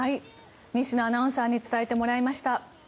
仁科アナウンサーに伝えてもらいました。